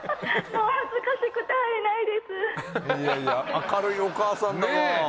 いやいや明るいお母さんだな。